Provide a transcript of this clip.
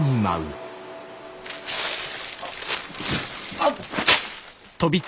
あっ！